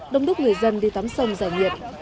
đông đúc người dân đi tắm sông giải nhiệt